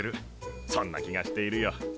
そんな気がしているよ。